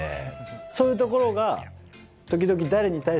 そういうところが。